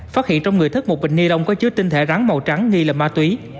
phát hiện trong người thức một bịch ni lông có chứa tinh thể rắn màu trắng nghi là ma túy